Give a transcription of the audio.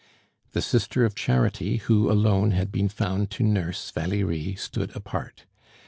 The sister of charity who alone had been found to nurse Valerie stood apart.